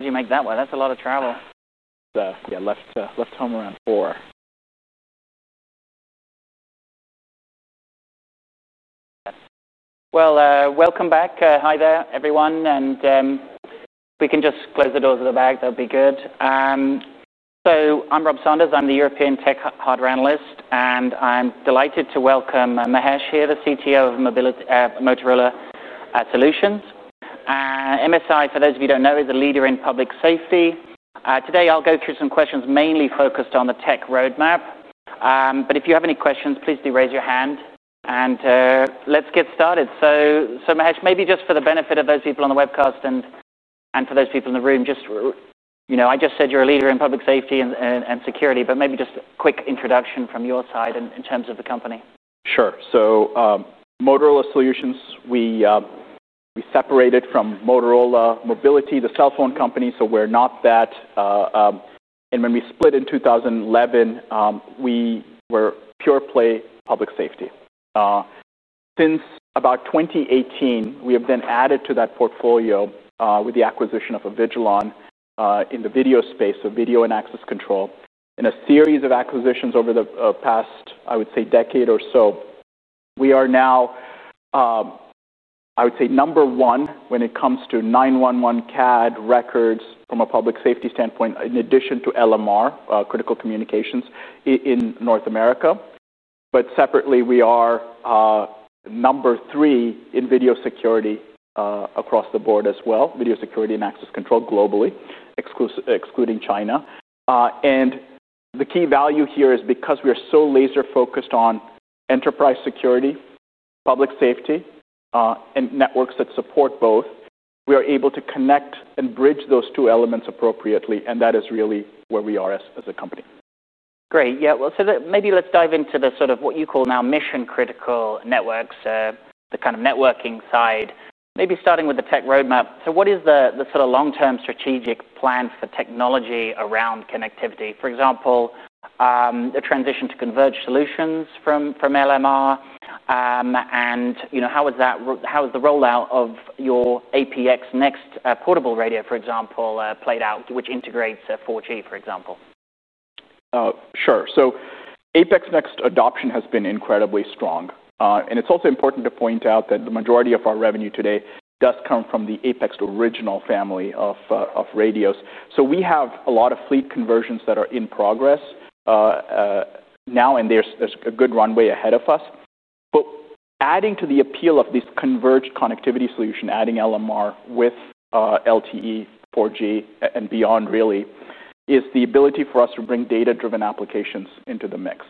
Did you make that one? That's a lot of travel. Yeah, I left home around 4:00 P.M. Yes. Welcome back. Hi there, everyone. If we can just close the doors at the back, that would be good. I'm Rob Sanders. I'm the European Tech Hardware Analyst. I'm delighted to welcome Mahesh here, the CTO of Motorola Solutions. MSI, for those of you who don't know, is the leader in public safety. Today, I'll go through some questions mainly focused on the tech roadmap. If you have any questions, please do raise your hand. Let's get started. Mahesh, maybe just for the benefit of those people on the webcast and for those people in the room, I just said you're a leader in public safety and security. Maybe just a quick introduction from your side in terms of the company. Sure. Motorola Solutions, we separated from Motorola Mobility, the cell phone company. We're not that. When we split in 2011, we were pure play public safety. Since about 2018, we have then added to that portfolio with the acquisition of Avigilon in the video space, so video and access control. In a series of acquisitions over the past, I would say, decade or so, we are now, I would say, number one when it comes to 911 CAD records from a public safety standpoint, in addition to LMR, critical communications, in North America. Separately, we are number three in video security across the board as well, video security and access control globally, excluding China. The key value here is because we are so laser-focused on enterprise security, public safety, and networks that support both, we are able to connect and bridge those two elements appropriately. That is really where we are as a company. Great. Maybe let's dive into the sort of what you call now mission-critical networks, the kind of networking side, maybe starting with the tech roadmap. What is the sort of long-term strategic plan for technology around connectivity? For example, the transition to converged solutions from LMR? How has the rollout of your APX NEXT portable radio, for example, played out, which integrates 4G, for example? Sure. APX NEXT adoption has been incredibly strong. It's also important to point out that the majority of our revenue today does come from the APX original family of radios. We have a lot of fleet conversions that are in progress now, and there's a good runway ahead of us. Adding to the appeal of this converged connectivity solution, adding LMR with LTE, 4G, and beyond, really is the ability for us to bring data-driven applications into the mix.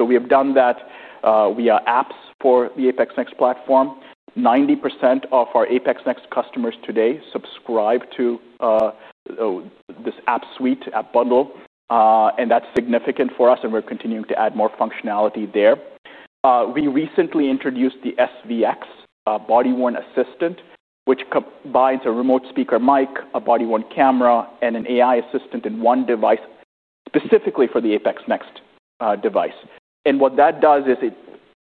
We have done that via apps for the APX NEXT platform. 90% of our APX NEXT customers today subscribe to this app suite, app bundle, and that's significant for us. We're continuing to add more functionality there. We recently introduced the SVX body-worn assistant, which combines a remote speaker mic, a body-worn camera, and an AI assistant in one device, specifically for the APX NEXT device. What that does is it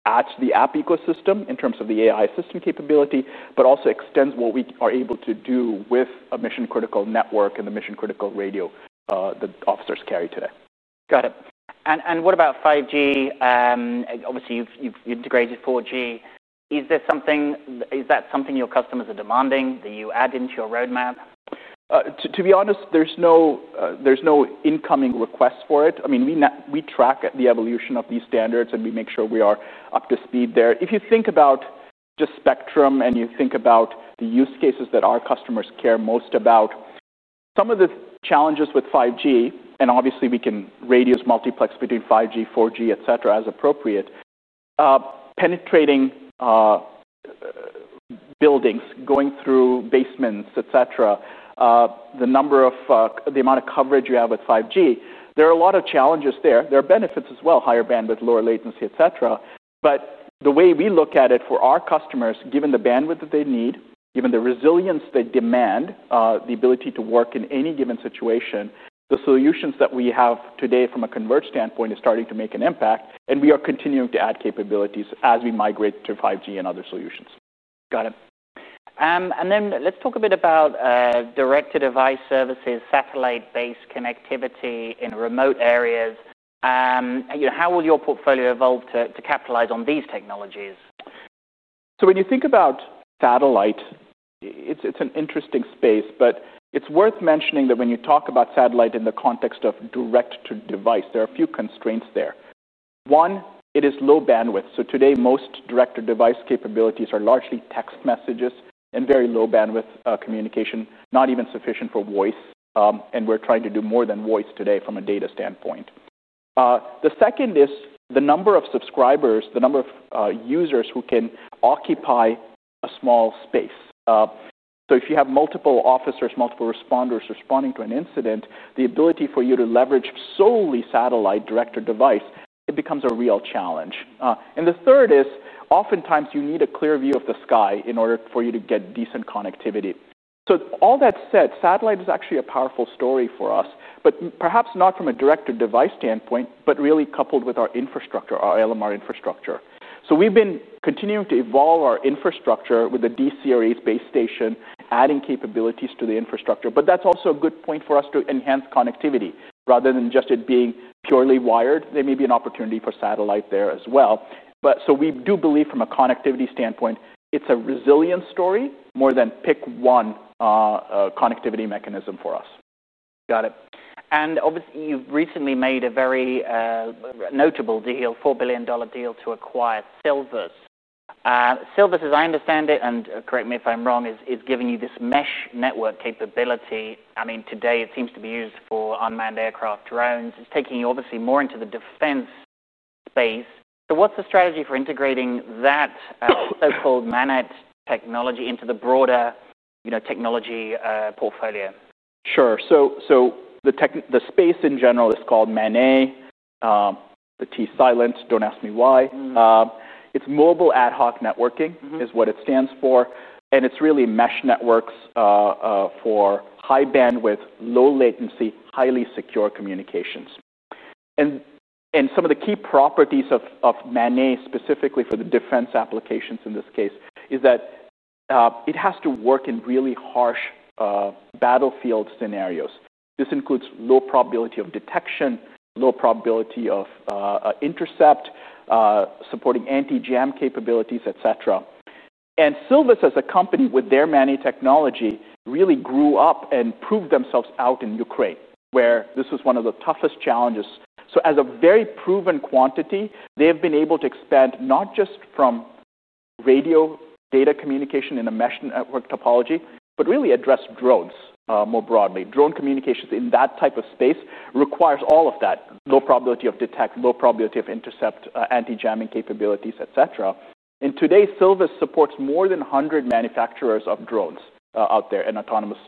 adds the app ecosystem in terms of the AI assistant capability, but also extends what we are able to do with a mission-critical network and the mission-critical radio that officers carry today. Got it. What about 5G? Obviously, you've integrated 4G. Is that something your customers are demanding that you add into your roadmap? To be honest, there's no incoming request for it. We track the evolution of these standards, and we make sure we are up to speed there. If you think about just spectrum and you think about the use cases that our customers care most about, some of the challenges with 5G, we can radius multiplex between 5G, 4G, et cetera, as appropriate, penetrating buildings, going through basements, et cetera, the amount of coverage you have with 5G, there are a lot of challenges there. There are benefits as well, higher bandwidth, lower latency, et cetera. The way we look at it for our customers, given the bandwidth that they need, given the resilience they demand, the ability to work in any given situation, the solutions that we have today from a converged standpoint are starting to make an impact. We are continuing to add capabilities as we migrate to 5G and other solutions. Got it. Let's talk a bit about direct-to-device services, satellite-based connectivity in remote areas. How will your portfolio evolve to capitalize on these technologies? When you think about satellite, it's an interesting space. It's worth mentioning that when you talk about satellite in the context of direct-to-device, there are a few constraints there. One, it is low bandwidth. Today, most direct-to-device capabilities are largely text messages and very low bandwidth communication, not even sufficient for voice. We're trying to do more than voice today from a data standpoint. The second is the number of subscribers, the number of users who can occupy a small space. If you have multiple officers, multiple responders responding to an incident, the ability for you to leverage solely satellite direct-to-device becomes a real challenge. The third is oftentimes, you need a clear view of the sky in order for you to get decent connectivity. All that said, satellite is actually a powerful story for us, but perhaps not from a direct-to-device standpoint, but really coupled with our infrastructure, our LMR infrastructure. We've been continuing to evolve our infrastructure with the D-Series base station, adding capabilities to the infrastructure. That's also a good point for us to enhance connectivity. Rather than just it being purely wired, there may be an opportunity for satellite there as well. We do believe from a connectivity standpoint, it's a resilience story more than pick one connectivity mechanism for us. Got it. Obviously, you've recently made a very notable deal, a $4 billion deal to acquire Silvus. Silvus, as I understand it, and correct me if I'm wrong, is giving you this mesh network capability. I mean, today, it seems to be used for unmanned aircraft drones. It's taking you obviously more into the defense space. What's the strategy for integrating that so-called MANET technology into the broader technology portfolio? Sure. The space in general is called MANET, the T is silent, don't ask me why. It stands for mobile ad hoc networking. It's really mesh networks for high bandwidth, low latency, highly secure communications. Some of the key properties of MANET, specifically for the defense applications in this case, are that it has to work in really harsh battlefield scenarios. This includes low probability of detection, low probability of intercept, supporting anti-jam capabilities, et cetera. Silvus, as a company, with their MANET technology, really grew up and proved themselves out in Ukraine, where this was one of the toughest challenges. As a very proven quantity, they have been able to expand not just from radio data communication in a mesh network topology, but really address drones more broadly. Drone communications in that type of space require all of that, low probability of detect, low probability of intercept, anti-jamming capabilities, et cetera. Today, Silvus supports more than 100 manufacturers of drones out there and autonomous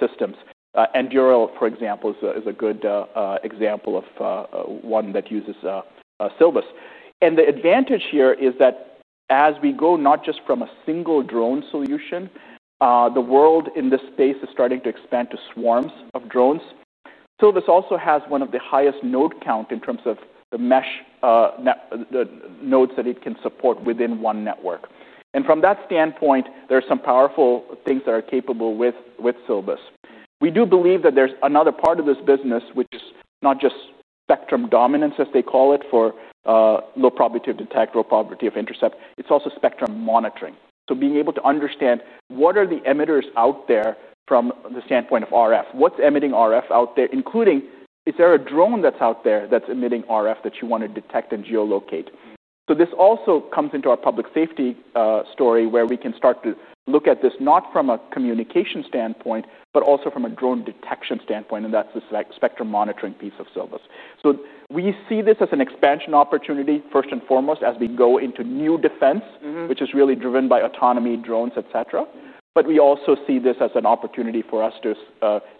systems. Anduril, for example, is a good example of one that uses Silvus. The advantage here is that as we go not just from a single drone solution, the world in this space is starting to expand to swarms of drones. Silvus also has one of the highest node counts in terms of the mesh nodes that it can support within one network. From that standpoint, there are some powerful things that are capable with Silvus. We do believe that there's another part of this business, which is not just spectrum dominance, as they call it, for low probability of detect, low probability of intercept. It's also spectrum monitoring, so being able to understand what are the emitters out there from the standpoint of RF. What's emitting RF out there, including is there a drone that's out there that's emitting RF that you want to detect and geolocate? This also comes into our public safety story, where we can start to look at this not from a communication standpoint, but also from a drone detection standpoint. That's the spectrum monitoring piece of Silvus. We see this as an expansion opportunity, first and foremost, as we go into new defense, which is really driven by autonomy, drones, et cetera. We also see this as an opportunity for us to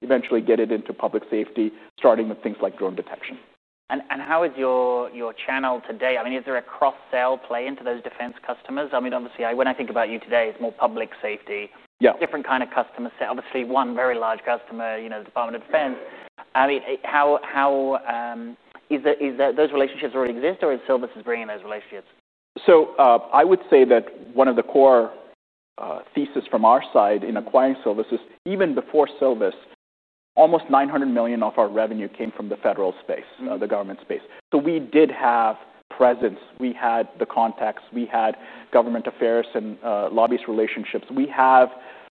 eventually get it into public safety, starting with things like drone detection. How is your channel today? I mean, is there a cross-sale play into those defense customers? I mean, obviously, when I think about you today, it's more public safety, different kind of customer set. Obviously, one very large customer, the Department of Defense. I mean, do those relationships already exist, or is Silvus bringing those relationships? I would say that one of the core theses from our side in acquiring Silvus is even before Silvus, almost $900 million of our revenue came from the federal space, the government space. We did have presence. We had the contacts. We had government affairs and lobbyist relationships. We have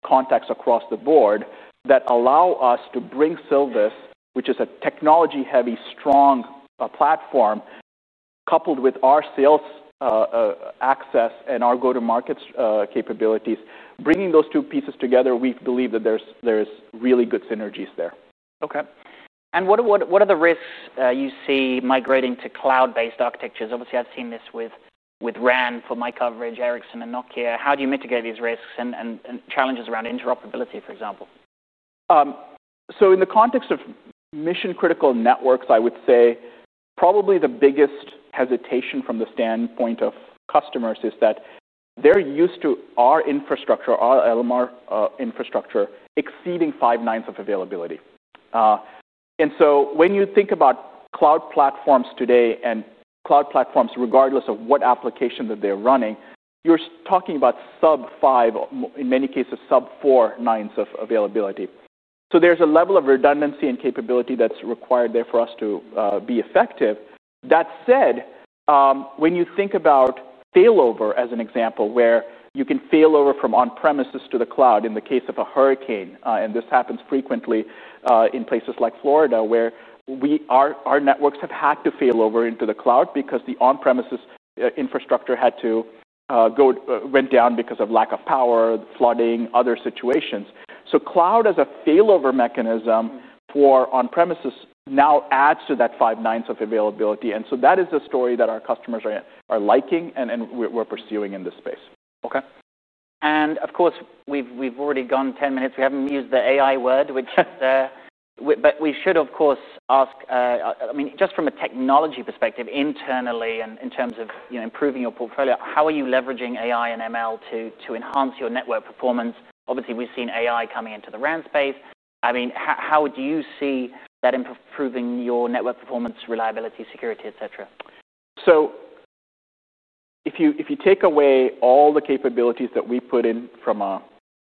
contacts across the board that allow us to bring Silvus, which is a technology-heavy, strong platform, coupled with our sales access and our go-to-market capabilities. Bringing those two pieces together, we believe that there's really good synergies there. OK. What are the risks you see migrating to cloud-based architectures? Obviously, I've seen this with RAN for my coverage, Ericsson and Nokia. How do you mitigate these risks and challenges around interoperability, for example? In the context of mission-critical networks, I would say probably the biggest hesitation from the standpoint of customers is that they're used to our infrastructure, our LMR infrastructure, exceeding five-nines availability. When you think about cloud platforms today, and cloud platforms, regardless of what application that they're running, you're talking about sub-five, in many cases, sub-four nines availability. There's a level of redundancy and capability that's required there for us to be effective. That said, when you think about failover, as an example, where you can failover from on-premises to the cloud in the case of a hurricane, this happens frequently in places like Florida, where our networks have had to failover into the cloud because the on-premises infrastructure had to go down because of lack of power, flooding, other situations. Cloud as a failover mechanism for on-premises now adds to that five-nines availability. That is a story that our customers are liking and we're pursuing in this space. OK. Of course, we've already gone 10 minutes. We haven't used the AI word. We should, of course, ask, just from a technology perspective internally and in terms of improving your portfolio, how are you leveraging AI and ML to enhance your network performance? Obviously, we've seen AI coming into the RAN space. How do you see that improving your network performance, reliability, security, et cetera? If you take away all the capabilities that we put in from a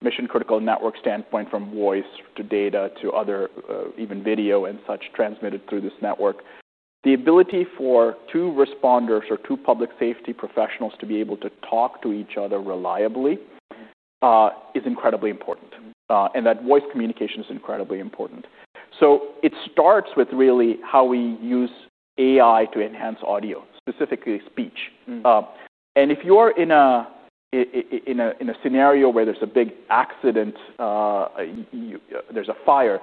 mission-critical network standpoint, from voice to data to even video and such transmitted through this network, the ability for two responders or two public safety professionals to be able to talk to each other reliably is incredibly important. That voice communication is incredibly important. It starts with really how we use AI to enhance audio, specifically speech. If you are in a scenario where there's a big accident, there's a fire,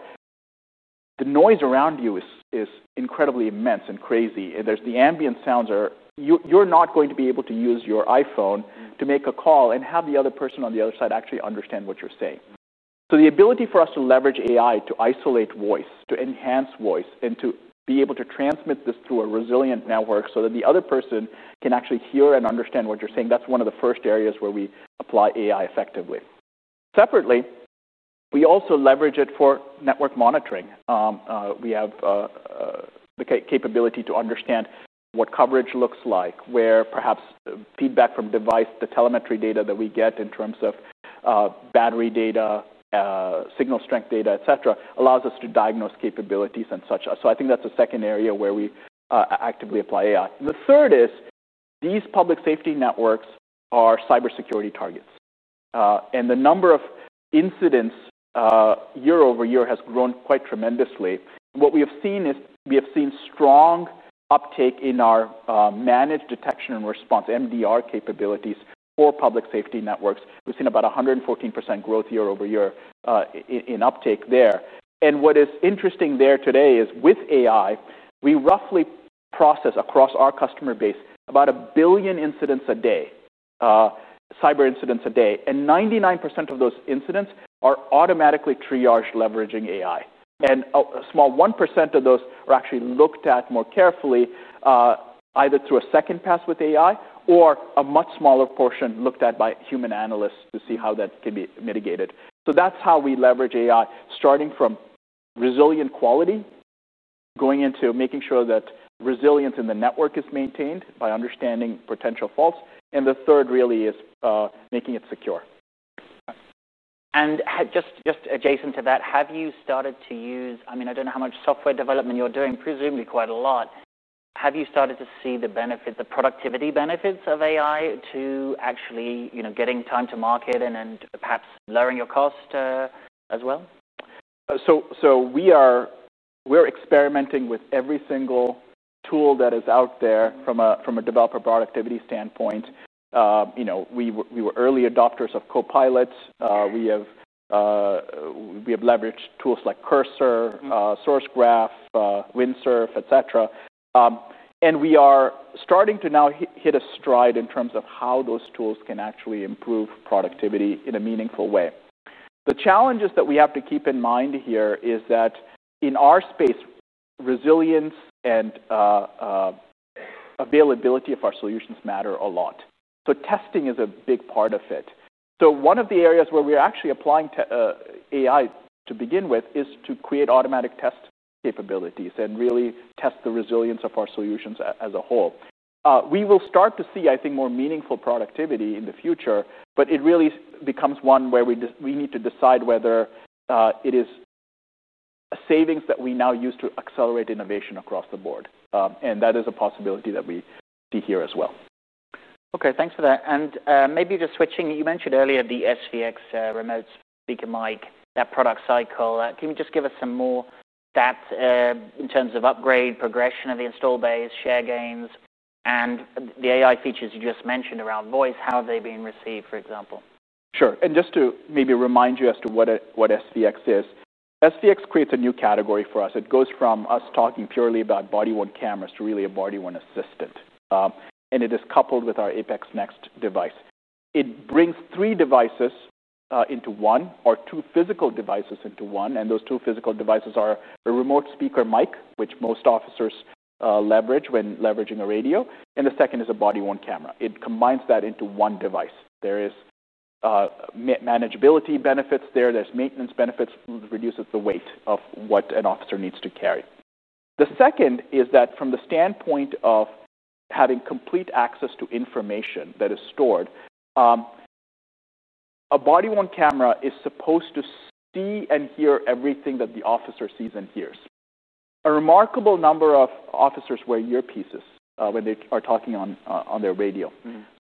the noise around you is incredibly immense and crazy. The ambient sounds are, you're not going to be able to use your iPhone to make a call and have the other person on the other side actually understand what you're saying. The ability for us to leverage AI to isolate voice, to enhance voice, and to be able to transmit this to a resilient network so that the other person can actually hear and understand what you're saying, that's one of the first areas where we apply AI effectively. Separately, we also leverage it for network monitoring. We have the capability to understand what coverage looks like, where perhaps feedback from device, the telemetry data that we get in terms of battery data, signal strength data, et cetera, allows us to diagnose capabilities and such. I think that's the second area where we actively apply AI. The third is these public safety networks are cybersecurity targets. The number of incidents year-over-year has grown quite tremendously. What we have seen is strong uptake in our managed detection and response, MDR capabilities, for public safety networks. We've seen about 114% growth year-over-year in uptake there. What is interesting there today is with AI, we roughly process across our customer base about a billion incidents a day, cyber incidents a day. 99% of those incidents are automatically triaged leveraging AI. A small 1% of those are actually looked at more carefully, either through a second pass with AI or a much smaller portion looked at by human analysts to see how that can be mitigated. That's how we leverage AI, starting from resilient quality, going into making sure that resilience in the network is maintained by understanding potential faults. The third really is making it secure. Just adjacent to that, have you started to use, I mean, I don't know how much software development you're doing, presumably quite a lot. Have you started to see the benefits, the productivity benefits of AI to actually getting time to market and perhaps lowering your cost as well? We are experimenting with every single tool that is out there from a developer productivity standpoint. We were early adopters of Copilots. We have leveraged tools like Cursor, Sourcegraph, Windsurf, et cetera. We are starting to now hit a stride in terms of how those tools can actually improve productivity in a meaningful way. The challenges that we have to keep in mind here are that in our space, resilience and availability of our solutions matter a lot. Testing is a big part of it. One of the areas where we are actually applying AI to begin with is to create automatic test capabilities and really test the resilience of our solutions as a whole. We will start to see, I think, more meaningful productivity in the future. It really becomes one where we need to decide whether it is savings that we now use to accelerate innovation across the board. That is a possibility that we see here as well. OK, thanks for that. Maybe just switching, you mentioned earlier the SVX remote speaker mic, that product cycle. Can you just give us some more of that in terms of upgrade, progression of the install base, share gains, and the AI features you just mentioned around voice? How have they been received, for example? Sure. And just to maybe remind you as to what SVX is, SVX creates a new category for us. It goes from us talking purely about body-worn cameras to really a body-worn assistant. It is coupled with our APX NEXT device. It brings three devices into one or two physical devices into one. Those two physical devices are a remote speaker mic, which most officers leverage when leveraging a radio, and the second is a body-worn camera. It combines that into one device. There are manageability benefits there. There are maintenance benefits. It reduces the weight of what an officer needs to carry. The second is that from the standpoint of having complete access to information that is stored, a body-worn camera is supposed to see and hear everything that the officer sees and hears. A remarkable number of officers wear earpieces when they are talking on their radio,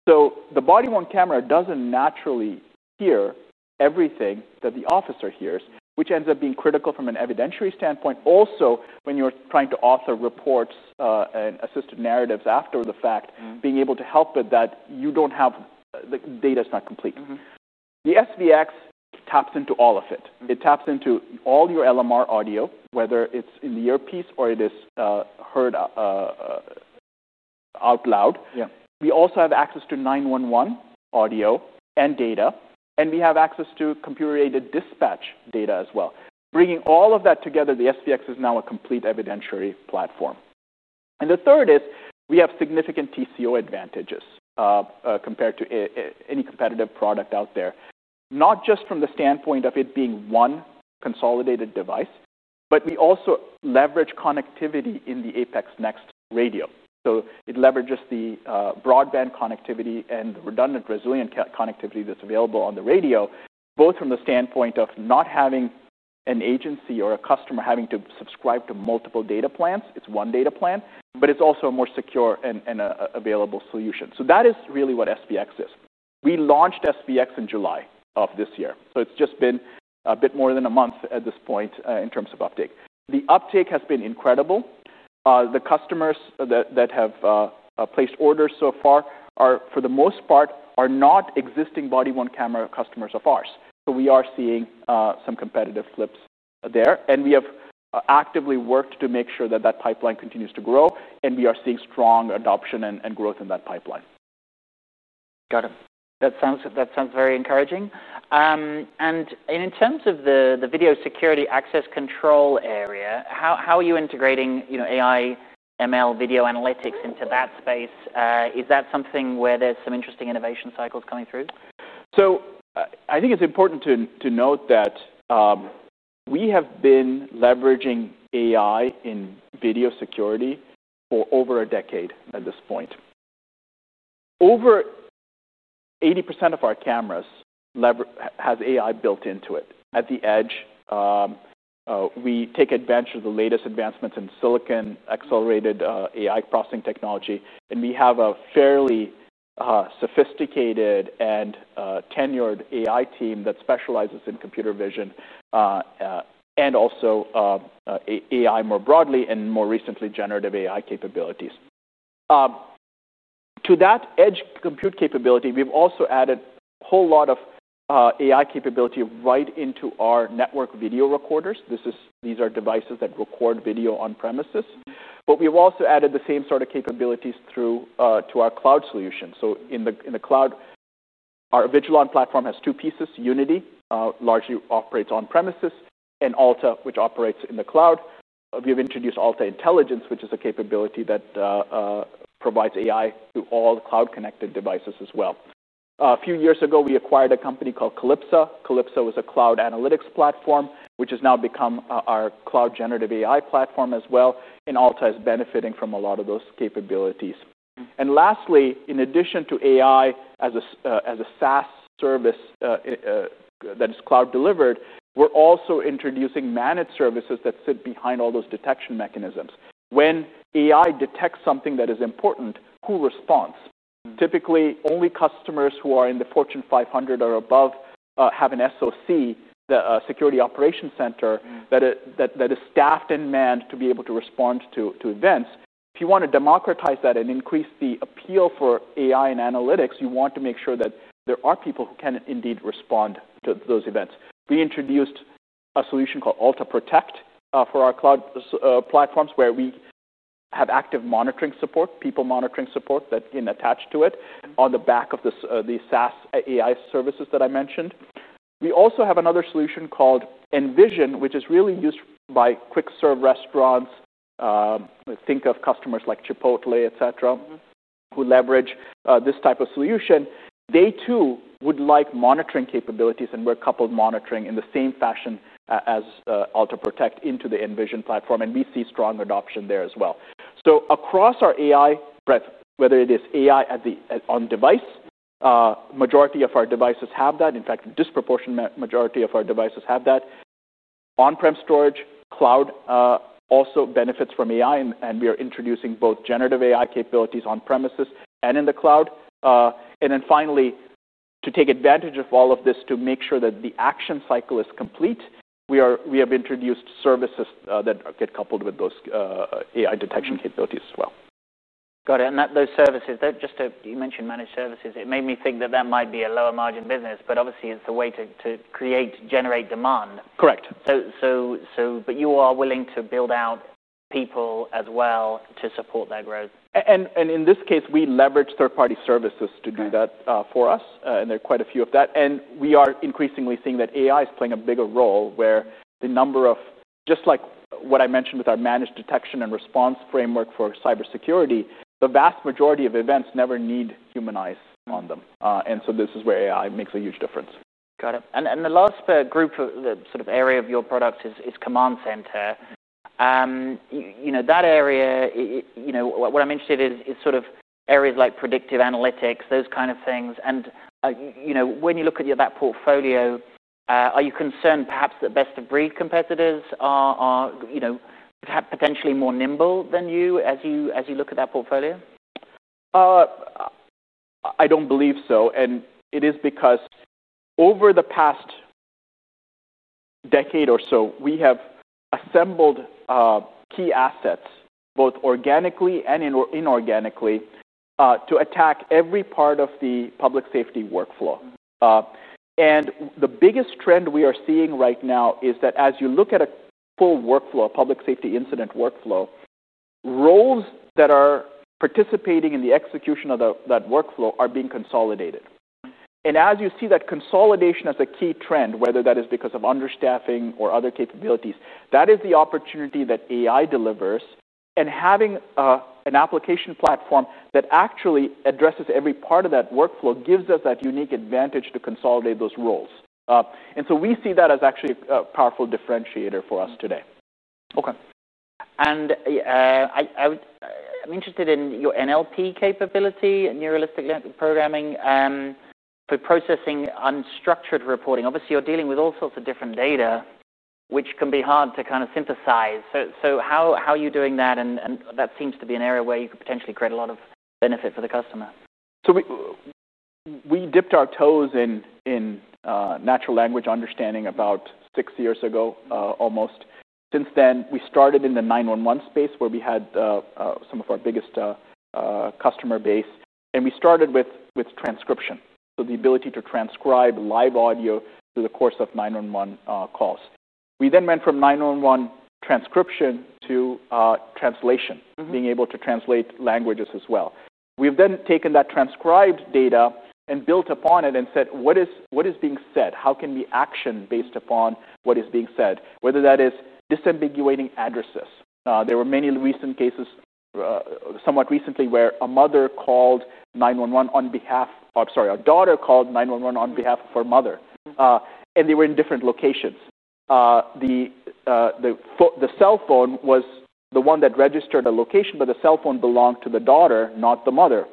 so the body-worn camera doesn't naturally hear everything that the officer hears, which ends up being critical from an evidentiary standpoint. Also, when you're trying to author reports and assisted narratives after the fact, being able to help with that, you don't have the data is not complete. The SVX taps into all of it. It taps into all your LMR audio, whether it's in the earpiece or it is heard out loud. We also have access to 911 audio and data, and we have access to computer-aided dispatch data as well. Bringing all of that together, the SVX is now a complete evidentiary platform. The third is we have significant TCO advantages compared to any competitive product out there, not just from the standpoint of it being one consolidated device, but we also leverage connectivity in the APX NEXT radio. It leverages the broadband connectivity and the redundant, resilient connectivity that's available on the radio, both from the standpoint of not having an agency or a customer having to subscribe to multiple data plans. It's one data plan. It's also a more secure and available solution. That is really what SVX is. We launched SVX in July of this year, so it's just been a bit more than a month at this point in terms of uptake. The uptake has been incredible. The customers that have placed orders so far are, for the most part, not existing body-worn camera customers of ours. We are seeing some competitive flips there, and we have actively worked to make sure that that pipeline continues to grow. We are seeing strong adoption and growth in that pipeline. Got it. That sounds very encouraging. In terms of the video security access control area, how are you integrating AI, ML, video analytics into that space? Is that something where there's some interesting innovation cycles coming through? I think it's important to note that we have been leveraging AI in video security for over a decade at this point. Over 80% of our cameras have AI built into it at the edge. We take advantage of the latest advancements in silicon-accelerated AI processing technology. We have a fairly sophisticated and tenured AI team that specializes in computer vision and also AI more broadly and more recently generative AI capabilities. To that edge compute capability, we've also added a whole lot of AI capability right into our network video recorders. These are devices that record video on premises. We've also added the same sort of capabilities to our cloud solution. In the cloud, our Avigilon platform has two pieces. Unity largely operates on premises, and Alta, which operates in the cloud. We have introduced Alta Intelligence, which is a capability that provides AI to all cloud-connected devices as well. A few years ago, we acquired a company called Calipsa. Calipsa is a cloud analytics platform, which has now become our cloud generative AI platform as well. Alta is benefiting from a lot of those capabilities. In addition to AI as a SaaS service that is cloud delivered, we're also introducing managed services that sit behind all those detection mechanisms. When AI detects something that is important, who responds? Typically, only customers who are in the Fortune 500 or above have an SOC, a security operations center that is staffed and manned to be able to respond to events. If you want to democratize that and increase the appeal for AI and analytics, you want to make sure that there are people who can indeed respond to those events. We introduced a solution called Alta Protect for our cloud platforms, where we have active monitoring support, people monitoring support that's attached to it on the back of the SaaS AI services that I mentioned. We also have another solution called Envysion, which is really used by quick-serve restaurants. Think of customers like Chipotle, etc., who leverage this type of solution. They too would like monitoring capabilities. We're coupling monitoring in the same fashion as Alta Protect into the Envysion platform. We see strong adoption there as well. Across our AI, whether it is AI on device, the majority of our devices have that. In fact, a disproportionate majority of our devices have that. On-prem storage, cloud also benefits from AI. We are introducing both generative AI capabilities on premises and in the cloud. Finally, to take advantage of all of this, to make sure that the action cycle is complete, we have introduced services that get coupled with those AI detection capabilities as well. Got it. Those services, you mentioned managed services. It made me think that that might be a lower margin business, but obviously, it's the way to create, generate demand. Correct. You are willing to build out people as well to support that growth. In this case, we leverage third-party services to do that for us. There are quite a few of that. We are increasingly seeing that AI is playing a bigger role, where the number of, just like what I mentioned with our managed detection and response framework for cybersecurity, the vast majority of events never need human eyes on them. This is where AI makes a huge difference. Got it. The last group, the sort of area of your products, is command center. That area, what I'm interested in is sort of areas like predictive analytics, those kind of things. When you look at that portfolio, are you concerned perhaps that best-of-breed competitors are potentially more nimble than you as you look at that portfolio? I don't believe so. It is because over the past decade or so, we have assembled key assets, both organically and inorganically, to attack every part of the public safety workflow. The biggest trend we are seeing right now is that as you look at a full workflow, a public safety incident workflow, roles that are participating in the execution of that workflow are being consolidated. As you see that consolidation as a key trend, whether that is because of understaffing or other capabilities, that is the opportunity that AI delivers. Having an application platform that actually addresses every part of that workflow gives us that unique advantage to consolidate those roles. We see that as actually a powerful differentiator for us today. OK. I'm interested in your NLP capability, neuro-linguistic programming for processing unstructured reporting. Obviously, you're dealing with all sorts of different data, which can be hard to kind of synthesize. How are you doing that? That seems to be an area where you could potentially create a lot of benefit for the customer. We dipped our toes in natural language understanding about six years ago, almost. Since then, we started in the 911 space, where we had some of our biggest customer base. We started with transcription, the ability to transcribe live audio through the course of 911 calls. We then went from 911 transcription to translation, being able to translate languages as well. We have then taken that transcribed data and built upon it and said, what is being said? How can we action based upon what is being said, whether that is disambiguating addresses? There were many recent cases, somewhat recently, where a daughter called 911 on behalf of her mother. They were in different locations. The cell phone was the one that registered a location, but the cell phone belonged to the daughter, not the mother.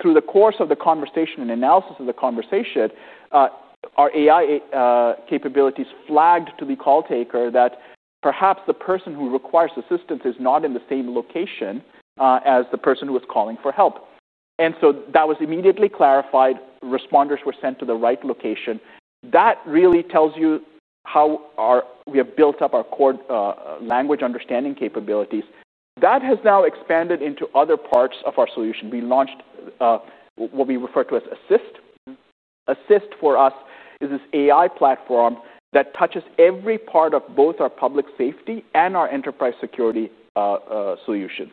Through the course of the conversation and analysis of the conversation, our AI capabilities flagged to the call taker that perhaps the person who requires assistance is not in the same location as the person who was calling for help. That was immediately clarified. Responders were sent to the right location. That really tells you how we have built up our core language understanding capabilities. That has now expanded into other parts of our solution. We launched what we refer to as Assist. Assist for us is this AI platform that touches every part of both our public safety and our enterprise security solutions.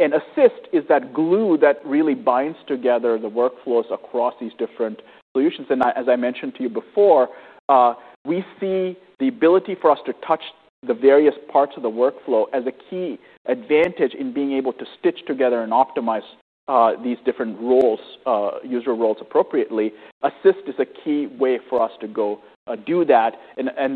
Assist is that glue that really binds together the workflows across these different solutions. As I mentioned to you before, we see the ability for us to touch the various parts of the workflow as a key advantage in being able to stitch together and optimize these different user roles appropriately. Assist is a key way for us to go do that.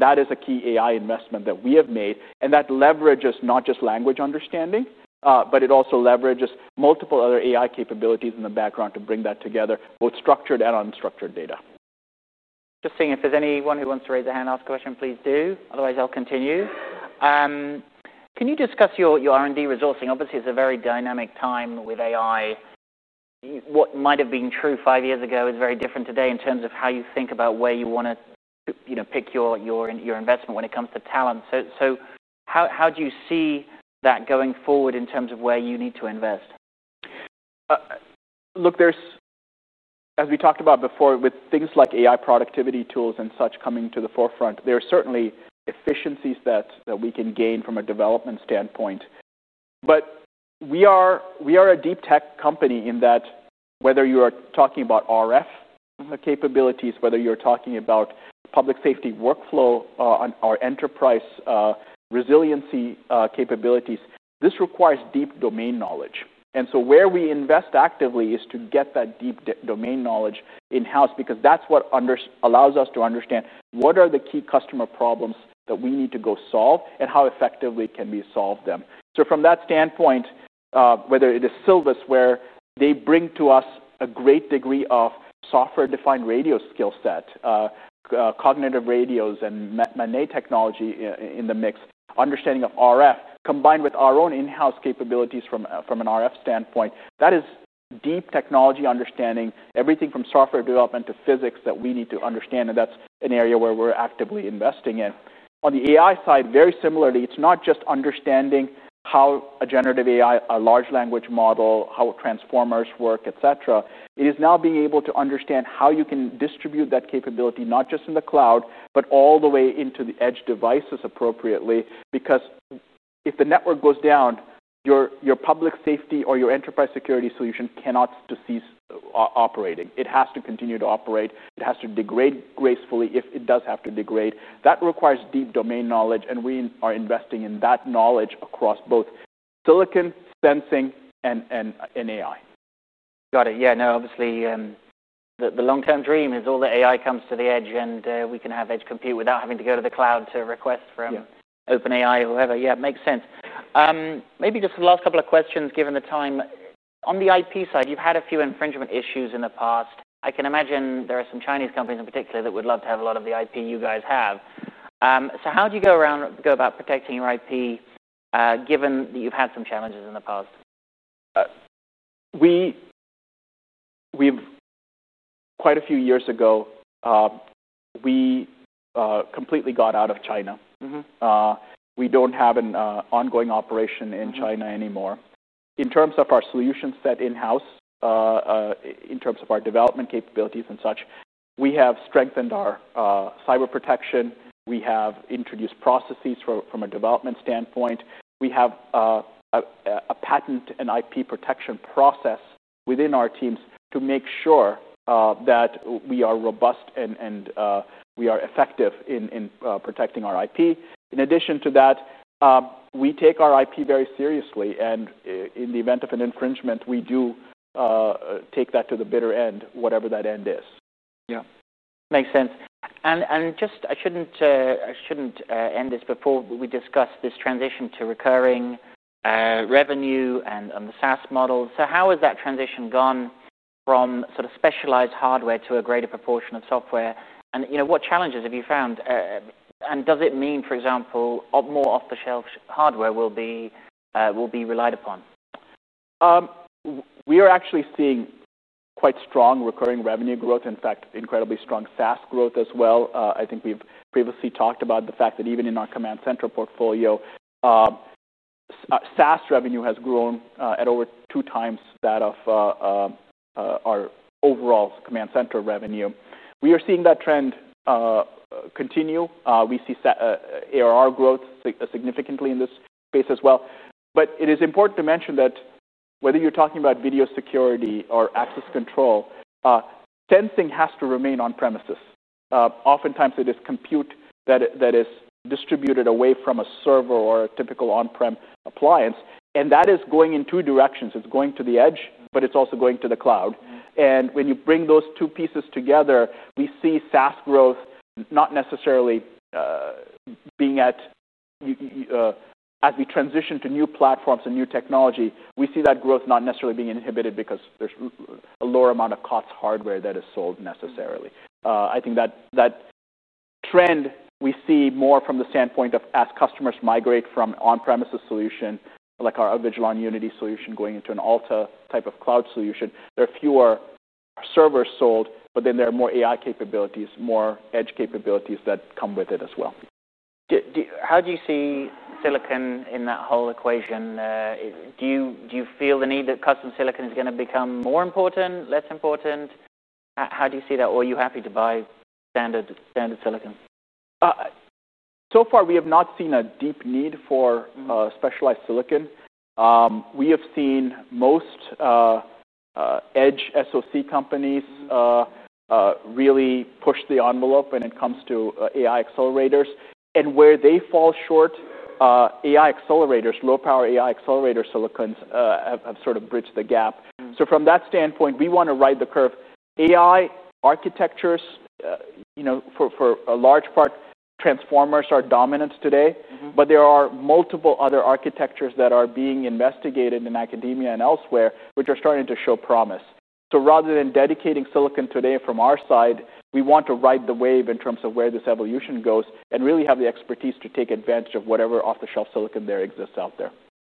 That is a key AI investment that we have made. That leverages not just language understanding, but it also leverages multiple other AI capabilities in the background to bring that together, both structured and unstructured data. Just seeing if there's anyone who wants to raise their hand, ask a question, please do. Otherwise, I'll continue. Can you discuss your R&D resourcing? Obviously, it's a very dynamic time with AI. What might have been true five years ago is very different today in terms of how you think about where you want to pick your investment when it comes to talent. How do you see that going forward in terms of where you need to invest? Look, as we talked about before, with things like AI productivity tools and such coming to the forefront, there are certainly efficiencies that we can gain from a development standpoint. We are a deep tech company in that whether you are talking about RF capabilities, whether you're talking about public safety workflow or enterprise resiliency capabilities, this requires deep domain knowledge. Where we invest actively is to get that deep domain knowledge in-house, because that's what allows us to understand what are the key customer problems that we need to go solve and how effectively can we solve them. From that standpoint, whether it is Silvus, where they bring to us a great degree of software-defined radio skill set, cognitive radios, and MANET technology in the mix, understanding of RF combined with our own in-house capabilities from an RF standpoint, that is deep technology understanding, everything from software development to physics that we need to understand. That's an area where we're actively investing in. On the AI side, very similarly, it's not just understanding how a generative AI, a large language model, how transformers work, et cetera. It is now being able to understand how you can distribute that capability not just in the cloud, but all the way into the edge devices appropriately. If the network goes down, your public safety or your enterprise security solution cannot cease operating. It has to continue to operate. It has to degrade gracefully if it does have to degrade. That requires deep domain knowledge. We are investing in that knowledge across both silicon, fencing, and AI. Got it. Yeah, no, obviously, the long-term dream is all the AI comes to the edge. We can have edge compute without having to go to the cloud to request from OpenAI or whoever. Yeah, it makes sense. Maybe just the last couple of questions, given the time. On the IP side, you've had a few infringement issues in the past. I can imagine there are some Chinese companies in particular that would love to have a lot of the IP you guys have. How do you go about protecting your IP, given that you've had some challenges in the past? Quite a few years ago, we completely got out of China. We don't have an ongoing operation in China anymore. In terms of our solutions set in-house, in terms of our development capabilities and such, we have strengthened our cyber protection. We have introduced processes from a development standpoint. We have a patent and IP protection process within our teams to make sure that we are robust and we are effective in protecting our IP. In addition to that, we take our IP very seriously. In the event of an infringement, we do take that to the bitter end, whatever that end is. Yeah, makes sense. I shouldn't end this before we discuss this transition to recurring revenue and on the SaaS model. How has that transition gone from sort of specialized hardware to a greater proportion of software? What challenges have you found? Does it mean, for example, more off-the-shelf hardware will be relied upon? We are actually seeing quite strong recurring revenue growth, in fact, incredibly strong SaaS growth as well. I think we've previously talked about the fact that even in our command center portfolio, SaaS revenue has grown at over two times that of our overall command center revenue. We are seeing that trend continue. We see ARR growth significantly in this space as well. It is important to mention that whether you're talking about video security or access control, fencing has to remain on premises. Oftentimes, it is compute that is distributed away from a server or a typical on-prem appliance. That is going in two directions. It's going to the edge, but it's also going to the cloud. When you bring those two pieces together, we see SaaS growth not necessarily being at, as we transition to new platforms and new technology, we see that growth not necessarily being inhibited because there's a lower amount of COTS hardware that is sold necessarily. I think that trend we see more from the standpoint of as customers migrate from an on-premises solution, like our Avigilon Unity solution, going into an Alta type of cloud solution, there are fewer servers sold. There are more AI capabilities, more edge capabilities that come with it as well. How do you see silicon in that whole equation? Do you feel the need that custom silicon is going to become more important, less important? How do you see that? Are you happy to buy standard silicon? We have not seen a deep need for specialized silicon. We have seen most edge SOC companies really push the envelope when it comes to AI accelerators. Where they fall short, AI accelerators, low-power AI accelerator silicons have sort of bridged the gap. From that standpoint, we want to ride the curve. AI architectures, for a large part, transformers are dominant today. There are multiple other architectures that are being investigated in academia and elsewhere, which are starting to show promise. Rather than dedicating silicon today from our side, we want to ride the wave in terms of where this evolution goes and really have the expertise to take advantage of whatever off-the-shelf silicon there exists out there.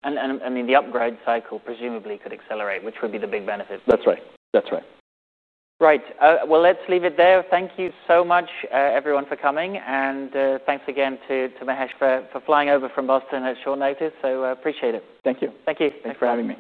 The upgrade cycle presumably could accelerate, which would be the big benefit. That's right. That's right. Right. Let's leave it there. Thank you so much, everyone, for coming. Thanks again to Mahesh for flying over from Boston at short notice. I appreciate it. Thank you. Thank you. Thanks for having me.